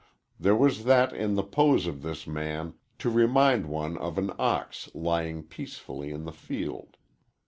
There was that in the pose of this man to remind one of an ox lying peacefully in the field.